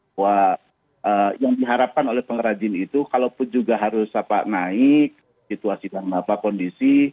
bahwa yang diharapkan oleh pengrajin itu kalaupun juga harus naik situasi dan apa kondisi